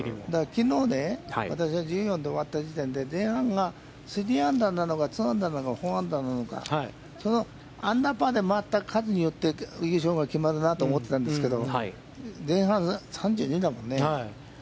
きのう私、１４で終わった時点で、前半が３アンダーなのか、４アンダーなのか、そのアンダーパーで回った数によって優勝が決まるなと思ってたんですけど、前半、３２だもんね。